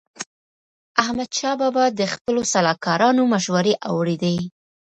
احمدشاه بابا د خپلو سلاکارانو مشوري اوريدي.